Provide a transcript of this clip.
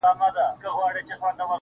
له ما پـرته وبـــل چــــــاتــــــه,